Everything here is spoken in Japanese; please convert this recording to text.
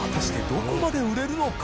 どこまで売れるのか？